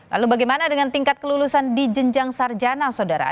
lalu bagaimana dengan tingkat kelulusan di jenjang sarjana saudara